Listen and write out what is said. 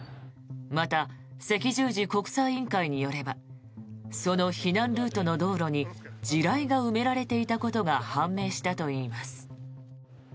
また、赤十字国際委員会によればその避難ルートの道路に地雷が埋められていたことが判明したといいます。